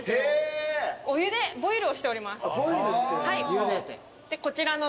お湯でボイルをしております。